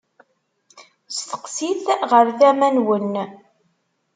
Steqsit ɣer tama-nwen.